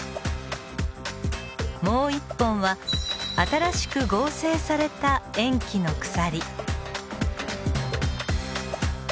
もう一本は新しく合成された塩基の鎖。